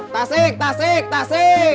tasik tasik tasik